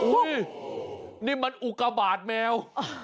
อุ๊ยนี่มันอุกระบาดแมว